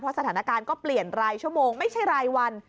สถานการณ์ก็เปลี่ยนรายชั่วโมงไม่ใช่รายวัน